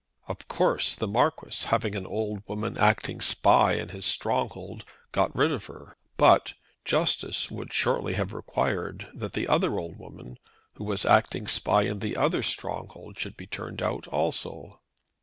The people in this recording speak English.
Of course, the Marquis, having an old woman acting spy in his stronghold, got rid of her. But justice would shortly have required that the other old woman, who was acting spy in the other stronghold, should be turned out, also.